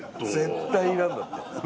「絶対いらん！」だって。